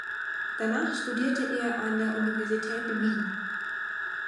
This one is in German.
Danach studierte er an der Universität Wien.